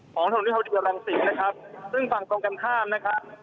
ของส่วนธรรมดีความสิทธิ์นะครับซึ่งฝั่งตรงกันข้ามนะครับ